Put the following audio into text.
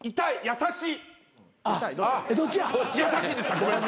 優しいです。